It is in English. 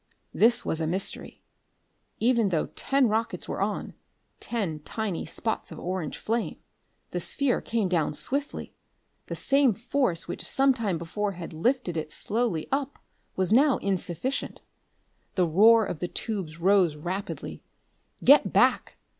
This was a mystery. Even though ten rockets were on ten tiny spots of orange flame the sphere came down swiftly. The same force which some time before had lifted it slowly up was now insufficient. The roar of the tubes rose rapidly. "Get back!"